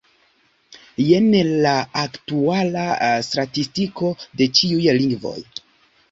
Jen la aktuala statistiko de ĉiuj lingvoj.